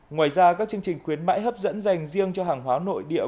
ngoài ra các chương trình khuyến mãi hấp dẫn dành riêng cho hàng hóa nội địa